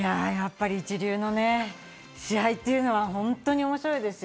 一流の試合っていうのは本当に面白いですし、